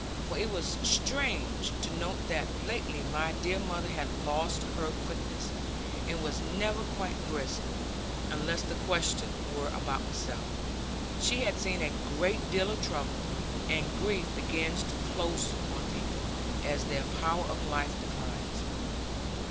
For it was strange to note that lately my dear mother had lost her quickness, and was never quite brisk, unless the question were about myself. She had seen a great deal of trouble; and grief begins to close on people, as their power of life declines.